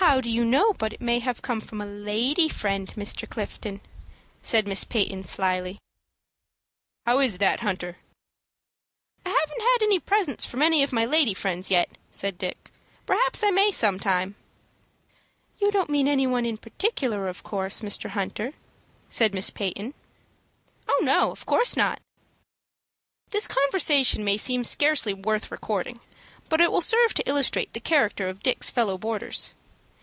"How do you know but it may have come from a lady friend, Mr. Clifton?" said Miss Peyton, slyly. "How is that, Hunter?" "I haven't had any presents from any of my lady friends yet," said Dick. "Perhaps I may some time." "You don't mean anybody in particular, of course, Mr. Hunter?" said Miss Peyton. "Oh, no, of course not." This conversation may seem scarcely worth recording, but it will serve to illustrate the character of Dick's fellow boarders.